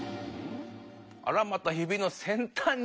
あらまたゆびの先たんに。